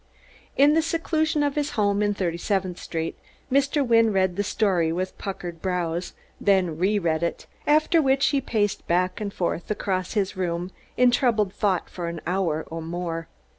In the seclusion of his home in Thirty seventh Street, Mr. Wynne read the story with puckered brows, then re read it, after which he paced back and forth across his room in troubled thought for an hour or more.